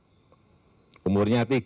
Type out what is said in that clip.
aminuddin ma'ruf umurnya tiga puluh dua tahun